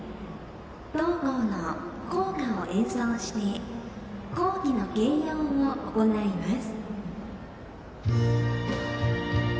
同校の校歌を演奏して校旗の掲揚を行います。